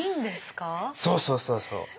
そうそうそうそう。